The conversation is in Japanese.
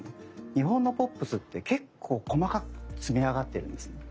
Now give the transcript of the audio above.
日本のポップスって結構細かく積み上がってるんですね。